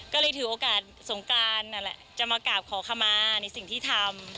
ก็เลยถือโอกาสสงการจะมากราบขอคำมาในสิ่งที่ทำ